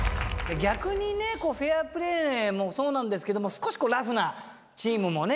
逆にねフェアプレーもそうなんですけども少しこうラフなチームもね